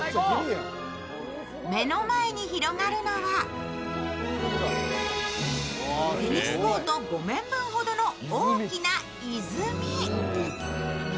目の前に広がるのは、テニスコート５面分ほどの大きな泉。